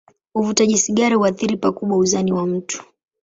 Uvutaji sigara huathiri pakubwa uzani wa mtu.